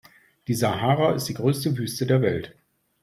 Die Sahara ist die größte Wüste der Welt.